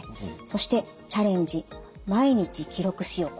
そして「チャレンジ」「毎日記録しよう」。